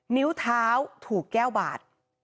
นิ้วเท้าถูกแก้วบาด